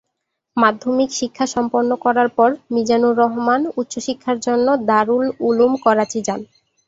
মাধ্যমিক শিক্ষা সম্পন্ন করার পর "মিজানুর রহমান" উচ্চশিক্ষার জন্য দারুল উলুম করাচি যান।